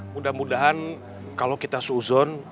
mudah mudahan kalau kita seuzon